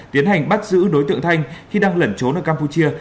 tiến hành bắt giữ đối tượng thanh khi đang lẩn trốn ở campuchia